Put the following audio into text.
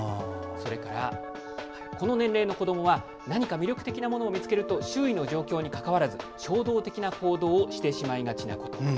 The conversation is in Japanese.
それから、この年齢の子どもは何か魅力的なものを見つけると周囲の状況にかかわらず衝動的な行動をしてしまいがちなこと。